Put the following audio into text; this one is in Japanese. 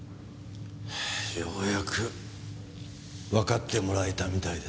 ようやくわかってもらえたみたいですね。